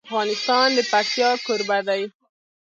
افغانستان د پکتیا کوربه دی.